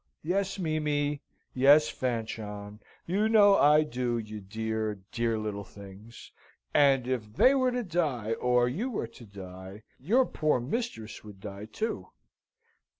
"Yes, Mimi! yes, Fanchon! you know I do, you dear, dear little things! and if they were to die, or you were to die, your poor mistress would die too!"